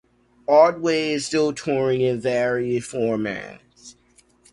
Otway is still touring in various formats.